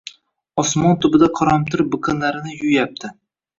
— Osmon tubida qoramtir biqinlarini yuvyapti!